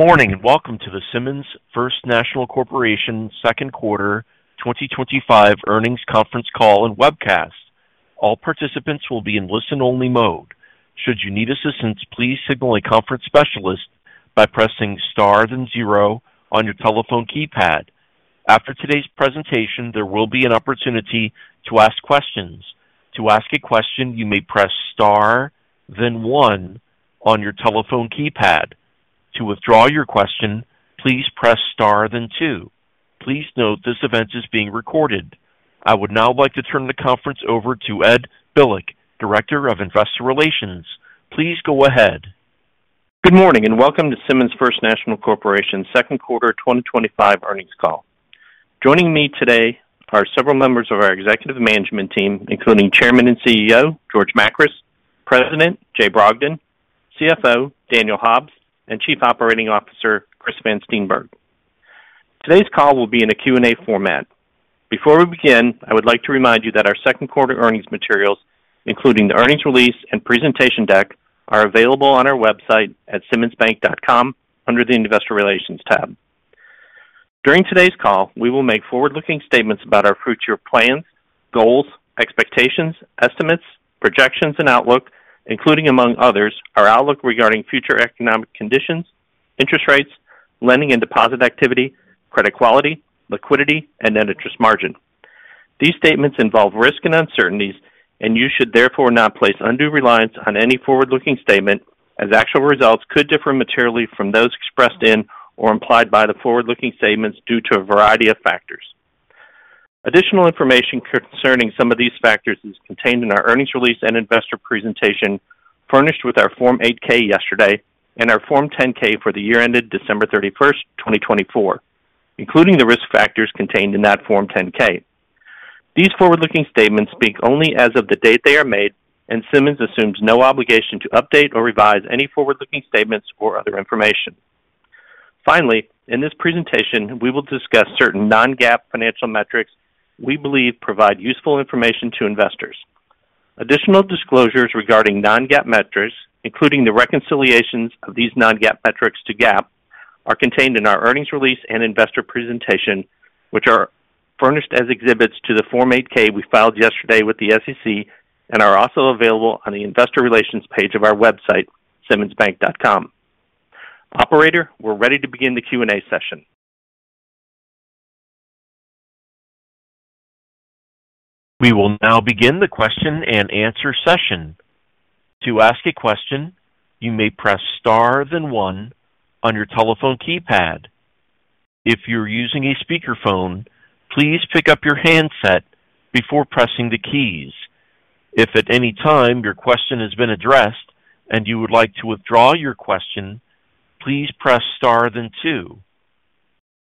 Good morning and welcome to the Simmons First National Corporation second quarter 2025 earnings conference call and webcast. All participants will be in listen only mode. Should you need assistance, please signal a conference specialist by pressing star then zero on your telephone keypad. After today's presentation, there will be an opportunity to ask questions. To ask a question, you may press star then one on your telephone keypad. To withdraw your question, please press star then two. Please note this event is being recorded. I would now like to turn the conference over to Ed Bilek, Director of Investor Relations. Please go ahead. Good morning and welcome to Simmons First National Corporation second quarter 2025 earnings call. Joining me today are several members of our executive management team including Chairman and CEO George Makris, President Jay Brogdon, CFO Daniel Hobbs, and Chief Operating Officer Chris Van Steenberg. Today's call will be in a Q&A format. Before we begin, I would like to remind you that our second quarter earnings materials, including the earnings release and presentation deck, are available on our website at simmonsbank.com under the Investor Relations tab. During today's call we will make forward-looking statements about our future plans, goals, expectations, estimates, projections, and outlook, including among others, our outlook regarding future economic conditions, interest rates, lending and deposit activity, credit quality, liquidity, and net interest margin. These statements involve risks and uncertainties and you should therefore not place undue reliance on any forward-looking statement as actual results could differ materially from those expressed in or implied by the forward-looking statements due to a variety of factors. Additional information concerning some of these factors is contained in our earnings release and investor presentation furnished with our Form 8-K yesterday and our Form 10-K for the year ended December 31st, 2024, including the risk factors contained in that Form 10-K. These forward-looking statements speak only as of the date they are made and Simmons assumes no obligation to update or revise any forward-looking statements or other information. Finally, in this presentation we will discuss certain non-GAAP financial metrics we believe provide useful information to investors. Additional disclosures regarding non-GAAP metrics, including the reconciliations of these non-GAAP metrics to GAAP, are contained in our earnings release and investor presentation which are furnished as exhibits to the Form 8-K we filed yesterday with the SEC and are also available on the investor relations page of our website simmonsbank.com. Operator, we're ready to begin the Q&A session. We will now begin the question and answer session. To ask a question, you may press star then one on your telephone keypad. If you're using a speakerphone, please pick up your handset before pressing the keys. If at any time your question has been addressed and you would like to withdraw your question, please press star then two.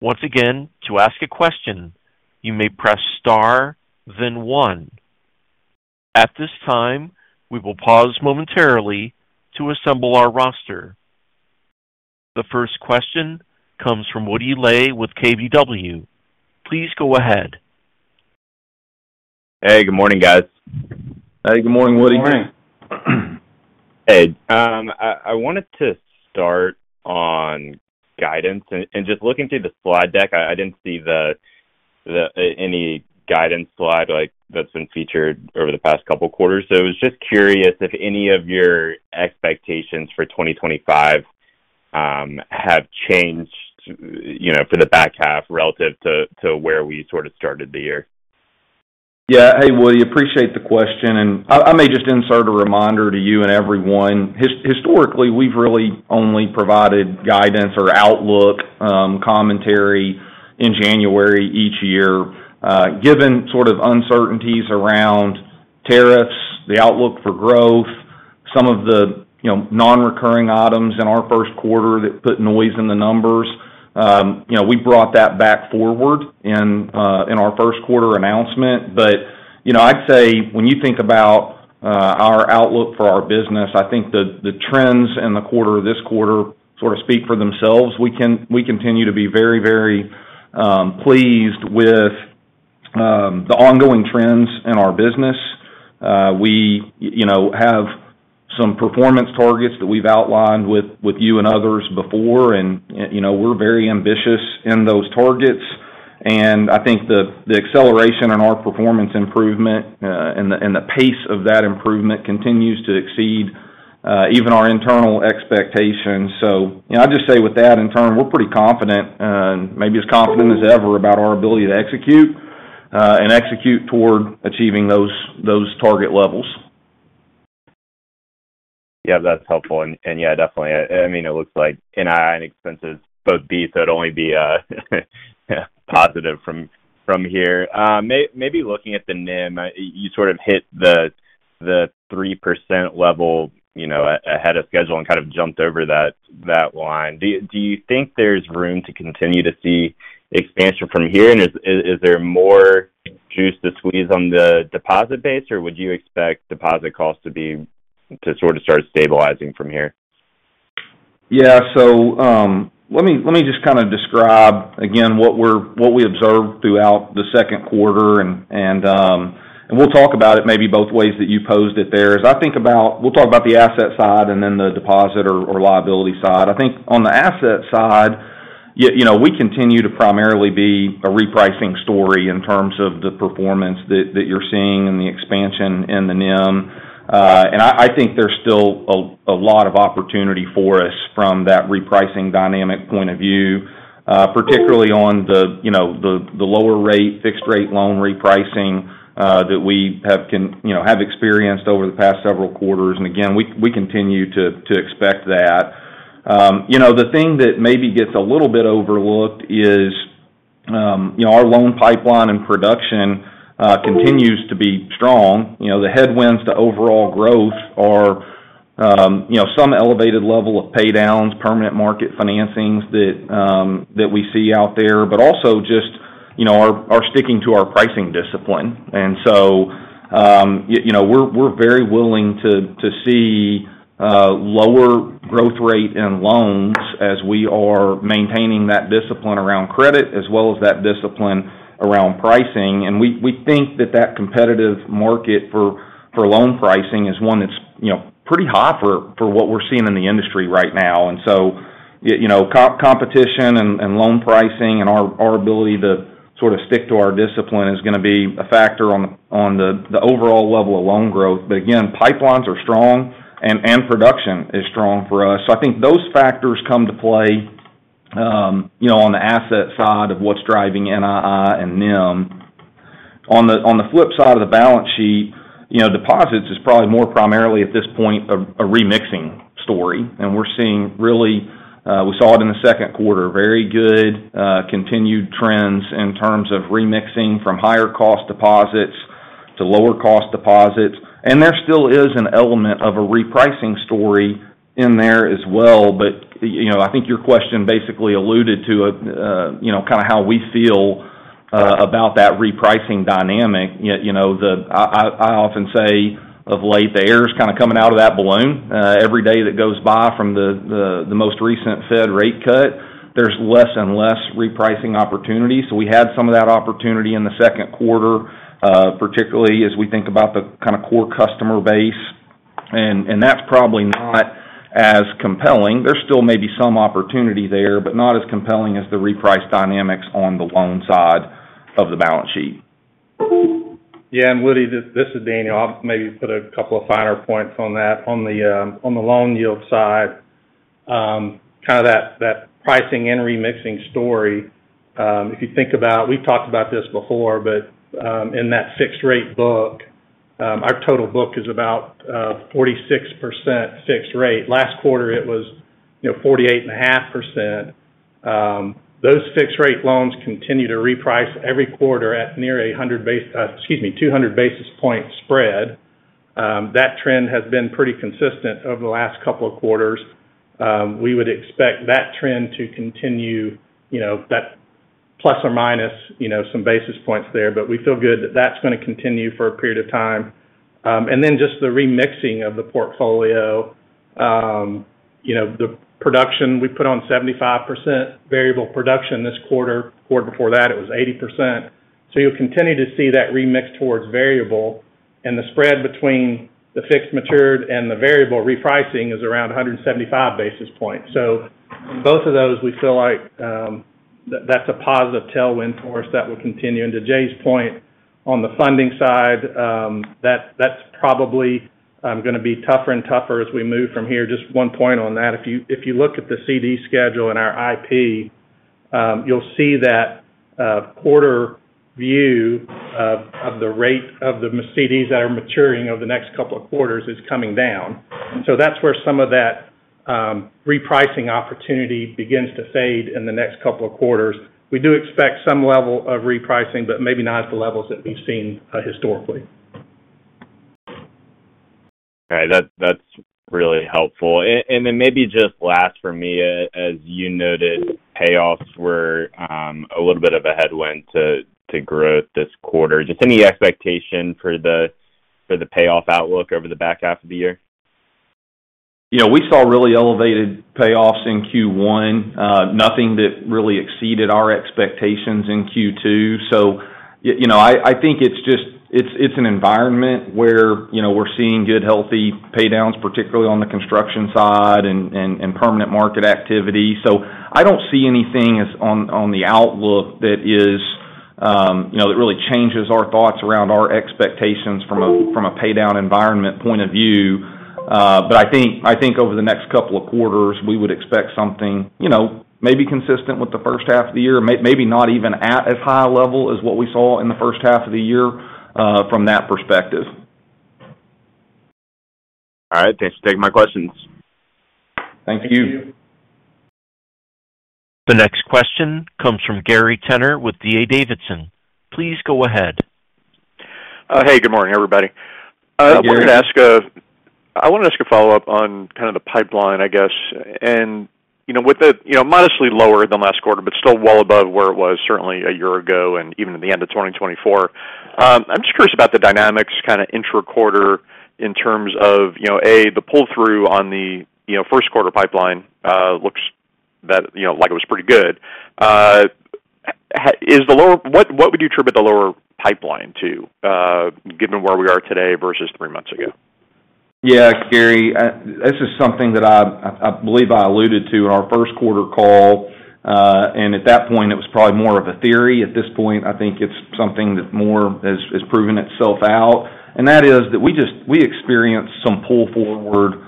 Once again, to ask a question, you may press star then one. At this time, we will pause momentarily to assemble our roster. The first question comes from Woody Lay with KBW. Please go ahead. Hey, good morning, guys. Hey, good morning, Woody. Hey, I wanted to start on guidance and just looking through the slide deck, I didn't see any guidance slide that's been featured over the past couple quarters. I was just curious if any of your expectations for 2025 have changed for the back half relative to where we sort of started the year. Yeah, hey Woody, appreciate the question. I may just insert a reminder to you and everyone. Historically, we've really only provided guidance or outlook commentary in January each year given uncertainties around tariffs and the outlook for growth. Some of the non-recurring items in our first quarter put noise in the numbers. We brought that back forward in our first quarter announcement. When you think about our outlook for our business, I think that the trends in the quarter this quarter speak for themselves. We continue to be very, very pleased with the ongoing trends in our business. We have some performance targets that we've outlined with you and others before, and we're very ambitious in those targets. I think the acceleration in our performance improvement and the pace of that improvement continues to exceed even our internal expectations. I'd just say with that in turn, we're pretty confident, maybe as confident as ever about our ability to execute and execute toward achieving those target levels. Yeah, that's helpful and yeah, definitely. I mean it looks like NII and expenses both be, so it'd only be positive from here. Maybe looking at the NIM, you sort of hit the 3% level ahead of schedule and kind of jumped over that line. Do you think there's room to continue to see expansion from here, and is there more expansion juice to squeeze on the deposit base, or would you expect deposit costs to be to sort of start stabilizing from here? Let me just kind of describe again what we observed throughout the second quarter and we'll talk about it maybe both ways that you posed it there as I think about. We'll talk about the asset side and then the deposit or liability side. I think on the asset side we continue to primarily be a repricing story in terms of the performance that you're seeing and the expansion in the NIM and I think there's still a lot of opportunity for us from that repricing dynamic point of view, particularly on the lower rate, fixed rate loan repricing that we have experienced over the past several quarters. We continue to expect that. The thing that maybe gets a little bit overlooked is our loan pipeline and production continues to be strong. The headwinds to overall growth are some elevated level of pay downs, permanent market financings that we see out there, but also just our sticking to our pricing discipline. We are very willing to see lower growth rate in loans as we are maintaining that discipline around credit as well as that discipline around pricing. We think that the competitive market for loan pricing is one that's pretty high for what we're seeing in the industry right now. Competition in loan pricing and our ability to sort of stick to our discipline is going to be a factor on the overall level of loan growth. Pipelines are strong and production is strong for us. I think those factors come to play on the asset side of what's driving NII and NIM. On the flip side of the balance sheet, deposits is probably more primarily at this point a remixing story. We saw it in the second quarter, very good continued trends in terms of remixing from higher cost deposits to lower cost deposits. There still is an element of a repricing story in there as well. I think your question basically alluded to kind of how we feel about that repricing dynamic. I often say of late the air is kind of coming out of that balloon every day that goes by from the most recent Fed rate cut, there's less and less repricing opportunity. We had some of that opportunity in the second quarter, particularly as we think about the kind of core customer base. That's probably not as compelling. There still may be some opportunity there, but not as compelling as the reprice dynamics on the loan side of the balance sheet. Yeah, and Woody, this is Daniel. I'll maybe put a couple of finer points on that. On the loan yield side, kind of that pricing and remixing story. If you think about, we talked about this before, but in that fixed rate book, our total book is about 46% fixed rate. Last quarter it was 48.5%. Those fixed rate loans continue to reprice every quarter at near a 200 basis point spread. That trend has been pretty consistent over the last couple of quarters. We would expect that trend to continue, plus or minus some basis points there. We feel good that that's going to continue for a period of time, and just the remixing of the portfolio, the production we put on, 75% variable production this quarter. Quarter before that it was 80%. You'll continue to see that remix towards variable, and the spread between the fixed matured and the variable repricing is around 175 basis points. Both of those, we feel like that's a positive tailwind for us that will continue. To Jay's point on the funding side, that's probably going to be tougher and tougher as we move from here. Just one point on that. If you look at the CD schedule and our IP, you'll see that quarter view of the rate of the CDs that are maturing over the next couple of quarters is coming down. That's where some of that repricing opportunity begins to fade in the next couple of quarters. We do expect some level of repricing, but maybe not at the levels that we've seen historically. That's really helpful. Maybe just last for me, as you noted, payoffs were a little bit of a headwind to growth this quarter. Just any expectation for the payoff outlook over the back half of. The year we saw really elevated payoffs in Q1. Nothing that really exceeded our expectations in Q2. I think it's just, it's an environment where we're seeing good healthy pay downs, particularly on the construction side and permanent market activity. I don't see anything on the outlook that really changes our thoughts around our expectations from a paydown environment point of view. I think over the next couple of quarters we would expect something maybe consistent with the first half of the year, maybe not even at as high a level as what we saw in the first half of the year from that perspective. All right, thanks for taking my questions. Thank you. The next question comes from Gary Tenner with D.A. Davidson. Please go ahead. Hey, good morning everybody. I want to ask a follow-up on the pipeline, I guess, and with the modestly lower than last quarter but still well above where it was certainly a year ago and even at the end of 2024. I'm just curious about the dynamics intra-quarter in terms of the pull-through on the first quarter pipeline. Looks like it was pretty good. What would you attribute the lower pipeline to, given where we are today versus three months ago? Yeah Gary, this is something that I believe I alluded to in our first quarter call. At that point it was probably more of a theory. At this point, I think it's something that more has proven itself out, and that is that we just experienced some pull forward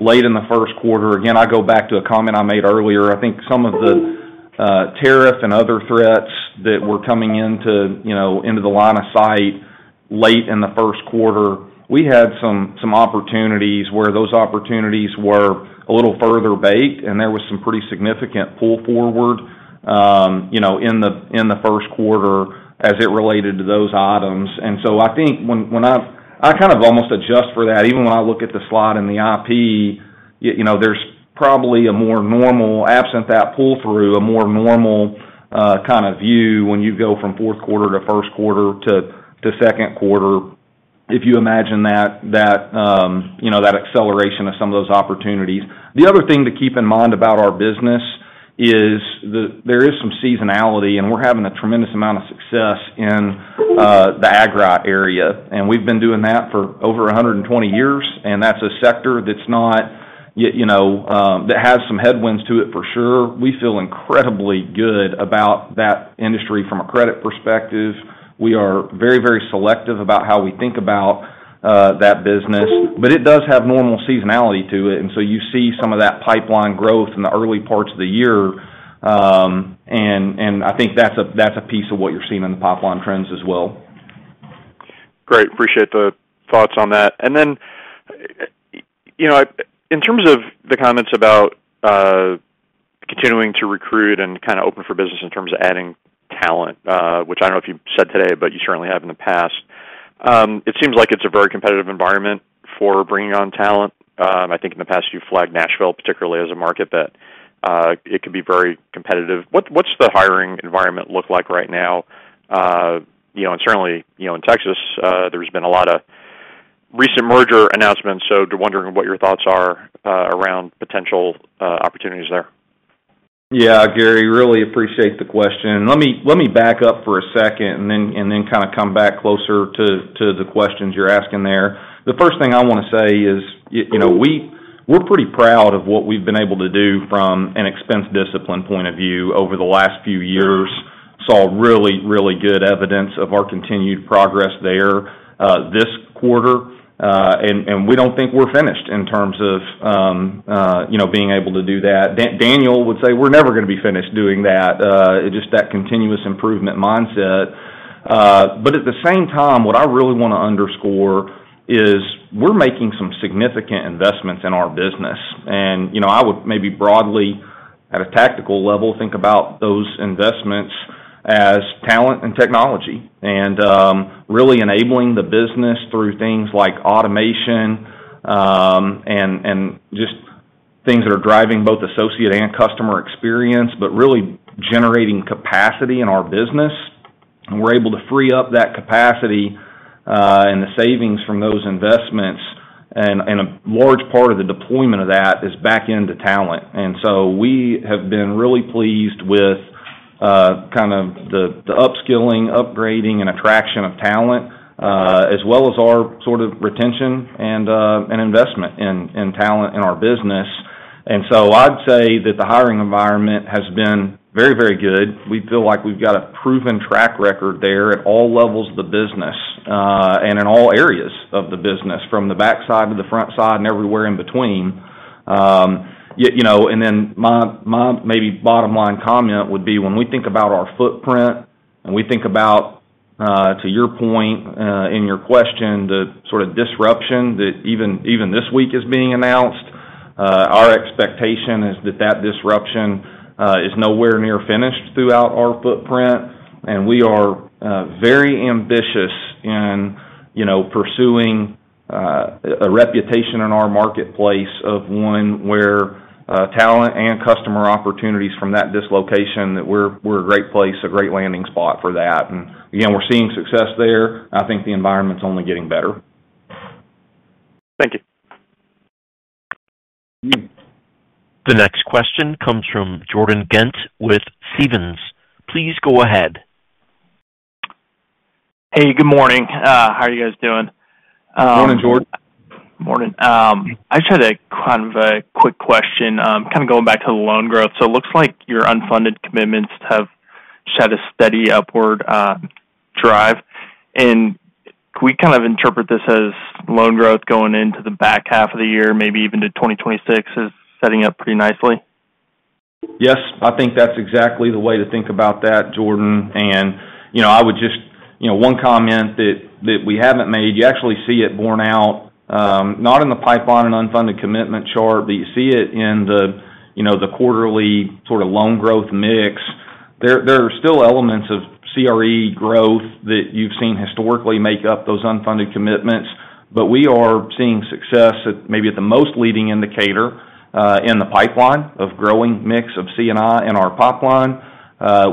late in the first quarter. I go back to a comment I made earlier. I think some of the tariff and other threats that were coming into the line of sight late in the first quarter, we had some opportunities where those opportunities were a little further baked and there was some pretty significant pull forward in the first quarter as it related to those items. I think when I kind of almost adjust for that, even when I look at the slide in the IP, there's probably a more normal, absent that pull through, a more normal kind of view when you go from fourth quarter to first quarter to second quarter. If you imagine that acceleration of some of those opportunities. The other thing to keep in mind about our business is there is some seasonality and we're having a tremendous amount of success in the agro area. We've been doing that for over 120 years. That's a sector that has some headwinds to it for sure. We feel incredibly good about that industry from a credit perspective. We are very, very selective about how we think about that business. It does have normal seasonality to it. You see some of that pipeline growth in the early parts of the year, and I think that's a piece of what you're seeing in the pipeline trends as well. Great. Appreciate the thoughts on that. In terms of the comments about continuing to recruit and kind of open for business in terms of adding talent, which I don't know if you've said today, but you certainly have in the past, it seems like it's a very competitive environment for bringing on talent. I think in the past you've flagged Nashville, particularly as a market that it could be very competitive. What's the hiring environment look like right now? Certainly in Texas, there's been a lot of recent merger announcements, so wondering what your thoughts are around potential opportunities there. Yeah, Gary, really appreciate the question. Let me back up for a second and then come back closer to the questions you're asking there. The first thing I want to say is, you know, we're pretty proud of what we've been able to do from an expense discipline point of view over the last few years. Saw really, really good evidence of our continued progress there this quarter. We don't think we're finished in terms of, you know, being able to do that. Daniel would say we're never going to be finished doing that, just that continuous improvement mindset. At the same time, what I really want to underscore is we're making some significant investments in our business. I would maybe broadly at a tactical level think about those investments as talent and technology and really enabling the business through things like automation and just things that are driving both associate and customer experience, but really generating capacity in our business. We're able to free up that capacity and the savings from those investments. A large part of the deployment of that is back into talent. We have been really pleased with kind of the upskilling, upgrading and attraction of talent, as well as our sort of retention and investment in talent in our business. I'd say that the hiring environment has been very, very good. We feel like we've got a proven track record there at all levels of the business and in all areas of the business, from the backside to the front side and everywhere in between. My maybe bottom line comment would be when we think about our footprint and we think about, to your point in your question, the sort of disruption that even this week is being announced, our expectation is that that disruption is nowhere near finished throughout our footprint. We are very ambitious in pursuing a reputation in our marketplace of one where talent and customer opportunities from that dislocation, that we're a great place, a great landing spot for that. We're seeing success there. I think the environment's only getting better. Thank you. The next question comes from Jordan Ghent with Stephens. Please go ahead. Hey, good morning. How are you guys doing? Good morning, Jord. Morning. I just had a quick question, going back to the loan growth. It looks like your unfunded commitments have shown a steady upward drive. We interpret this as loan growth going into the back half of the year, maybe even to 2026, is setting up pretty nicely. Yes, I think that's exactly the way to think about that, Jordan. I would just, you know, one comment that we haven't made. You actually see it borne out not in the pipeline and unfunded commitment chart, but you see it in the quarterly sort of loan growth mix. There are still elements of CRE growth that you've seen historically make up those unfunded commitments. We are seeing success maybe at the most leading indicator in the pipeline of growing mix of C&I in our pipeline.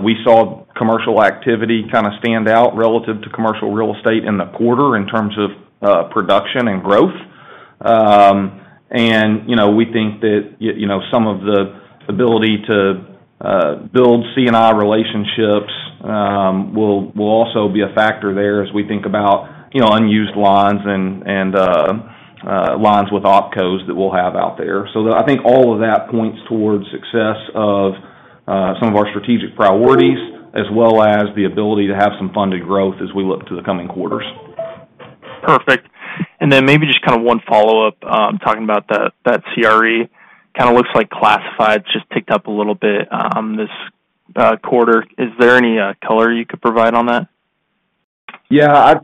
We saw commercial activity kind of stand out relative to commercial real estate in the quarter in terms of production and growth. We think that some of the ability to build C&I relationships will also be a factor there as we think about unused lines and lines with OpCos that we'll have out there. I think all of that points towards success of some of our strategic priorities as well as the ability to have some funded growth as we look to the coming quarters. Perfect. Maybe just kind of one follow up. Talking about that CRE kind of looks like classified just ticked up a little bit this quarter. Is there any color you could provide on that? Yeah,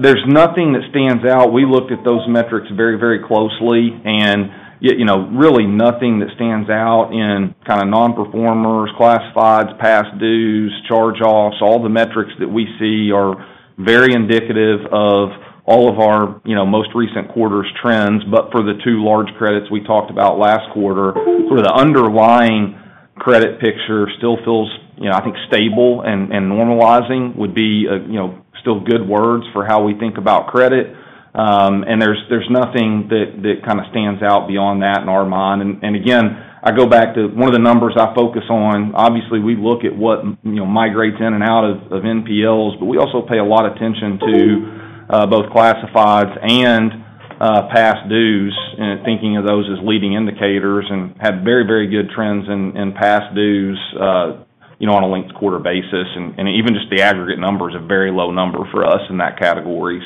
there's nothing that stands out. We looked at those metrics very, very closely and really nothing that stands out in kind of non-performers, classifieds, past dues, charge-offs. All the metrics that we see are very indicative of all of our most recent quarters' trends. For the two large credits we talked about last quarter, sort of the underlying credit picture still feels, I think, stable and normalizing would be still good words for how we think about credit. There's nothing that kind of stands out beyond that in our mind. I go back to one of the numbers I focus on. Obviously, we look at what migrates in and out of NPLs, but we also pay a lot of attention to both classifieds and past dues, thinking of those as leading indicators, and had very, very good trends in past dues on a linked quarter basis. Even just the aggregate number is a very low number for us in that category.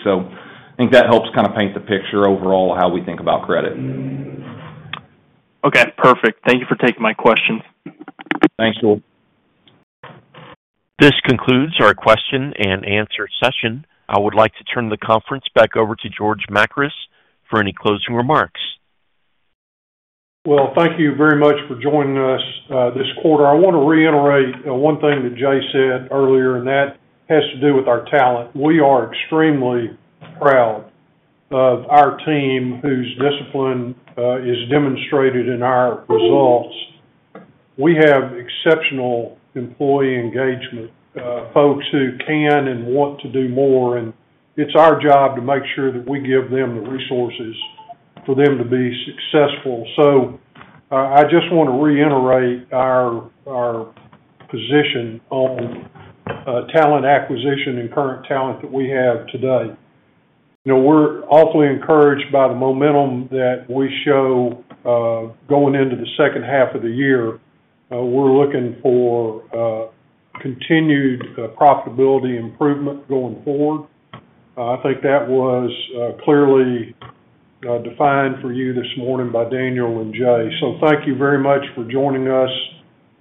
I think that helps kind of paint the picture overall how we think about credit. Okay, perfect. Thank you for taking my questions. Thanks, Jord. This concludes our question and answer session. I would like to turn the conference back over to George Makris for any closing remarks. Thank you very much for joining us this quarter. I want to reiterate one thing that Jay said earlier, and that has to do with our talent. We are extremely proud of our team, whose discipline is demonstrated in our results. We have exceptional employee engagement folks who can and want to do more. It's our job to make sure that we give them the resources for them to be successful. I just want to reiterate our position on talent acquisition and current talent that we have today. We're awfully encouraged by the momentum that we show going into the second half of the year. We're looking for continued profitability improvement going forward. I think that was clearly defined for you this morning by Daniel and Jay. Thank you very much for joining us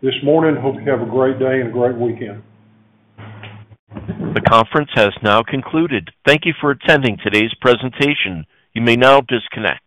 this morning. Hope you have a great day and a great weekend. The conference has now concluded. Thank you for attending today's presentation. You may now disconnect.